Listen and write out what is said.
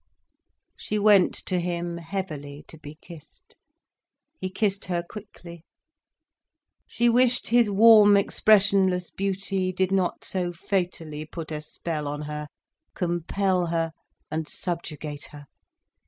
She went to him heavily, to be kissed. He kissed her quickly. She wished his warm, expressionless beauty did not so fatally put a spell on her, compel her and subjugate her.